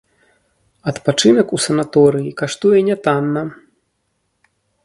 Адпачынак у санаторыі каштуе нятанна.